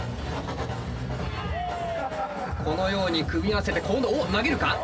このように組み合わせて今度おっ投げるか？